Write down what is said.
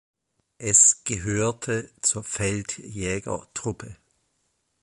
Es gehörte zur Feldjägertruppe.